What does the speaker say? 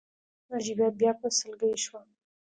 نجيبه بيا په سلګيو شوه.